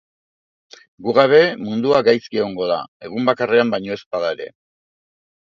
Gu gabe, mundua gaizki egongo da, egun bakarrean baino ez bada ere.